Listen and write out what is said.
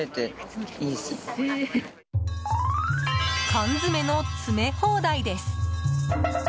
缶詰の詰め放題です。